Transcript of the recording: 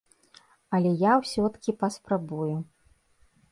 Але я ўсё-ткі паспрабую.